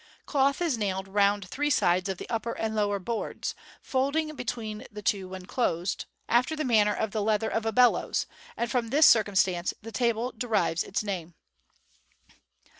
Cloth is nailed round three sides of the upper and lower boards, folding between the two when closed, after the manner of the leather of a bellows j and from this circumstance the table derives its name.